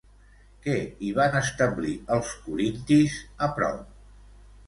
Què hi van establir els corintis a prop?